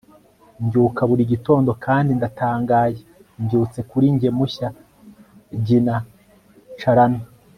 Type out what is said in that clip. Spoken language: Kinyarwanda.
mbyuka buri gitondo kandi ndatangaye. mbyutse kuri njye mushya. - gina carano